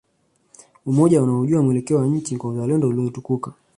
Umoja unaojua mwelekeo wa nchi kwa uzalendo uliotukuka